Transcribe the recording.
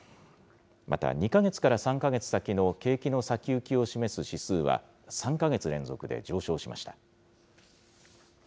また、２か月から３か月先の景気の先行きを示す指数は、３か月連続で上昇しました。